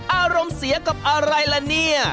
อารมณ์เสียกับอะไรล่ะเนี่ย